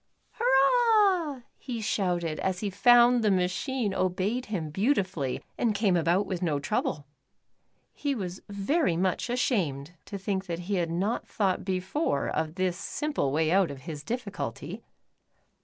" Hurrah, " he shouted as he found the machine obeyed him beautifully and came about with no trouble. He was very much ashamed to think that he had not thought before of this simple way out of his difficulty.